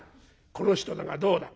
『この人だがどうだ？』。